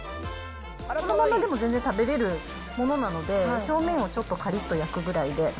そのままでも全然食べれるものなので、表面をちょっとかりっと焼くぐらいで。